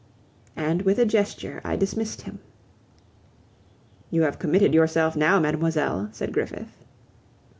And with a gesture I dismissed him. "You have committed yourself now, mademoiselle," said Griffith.